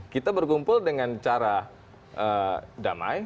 kita berkumpul dengan cara damai